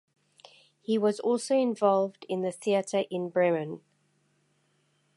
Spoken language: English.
He was also involved in the theatre in Bremen.